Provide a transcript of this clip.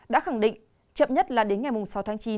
đã khẳng định chậm nhất là đến ngày sáu tháng chín